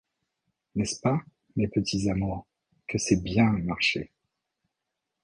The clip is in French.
N’est-ce pas, mes petits amours, que c’est bien marcher !